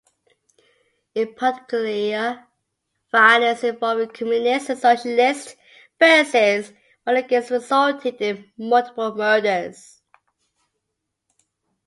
In particular violence involving Communists and Socialists versus Falangists resulted in multiple murders.